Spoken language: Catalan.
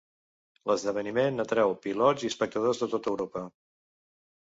L'esdeveniment atrau pilots i espectadors de tot Europa.